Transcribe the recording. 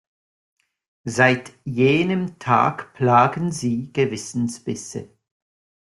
Seit jenem Tag plagen sie Gewissensbisse.